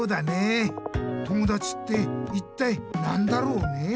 友だちっていったいなんだろうね？